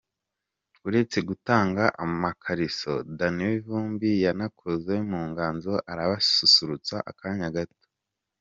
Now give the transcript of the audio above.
Uretse gutanga amakariso, Dany Vumbi yanakoze mu nganzo arabasusurutsa akanya gato.